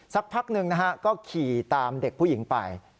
สักพักหนึ่งนะฮะก็ขี่ตามเด็กผู้หญิงไป